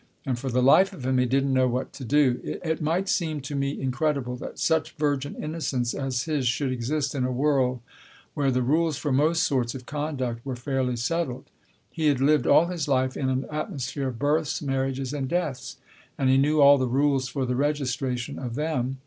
And for the life of him he didn't know what to do. It might seem to me incredible that such virgin innocence as his should exist in a world where the rules for most sorts of conduct were fairly settled. He had lived all his life in an atmo sphere of births, marriages and deaths, and he knew all the rules for the registration of them.